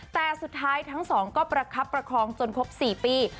แต่สุดท้ายทั้งสองก็ประคับประคองจนครบ๔ปี